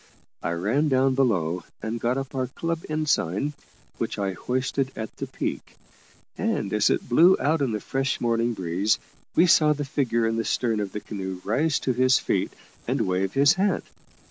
I ran down below and got up our club ensign, which I hoisted at the peak, and as it blew out in the fresh morning breeze, we saw the figure in the stern of the canoe rise to his feet and wave his hat.